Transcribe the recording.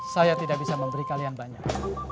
saya tidak bisa memberi kalian banyak